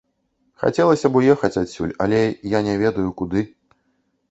Хацелася б уехаць адсюль, але я не ведаю куды.